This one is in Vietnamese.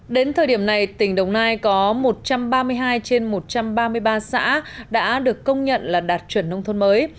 đến thời điểm này tỉnh đồng nai có một trăm ba mươi hai trên một trăm ba mươi ba xã đã được công nhận là đạt chuẩn nông thôn mới